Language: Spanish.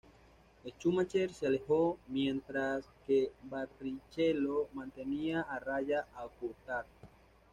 Schumacher se alejó, mientras que Barrichello mantenía a raya a Coulthard.